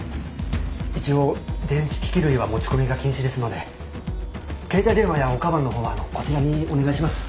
一応電子機器類は持ち込みが禁止ですので携帯電話やおかばんの方はこちらにお願いします。